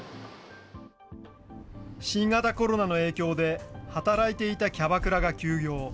新型コロナの影響で、働いていたキャバクラが休業。